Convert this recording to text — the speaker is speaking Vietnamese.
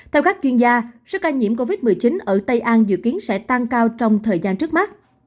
theo các chuyên gia số ca nhiễm covid một mươi chín ở tây an dự kiến sẽ tăng cao trong thời gian trước mắt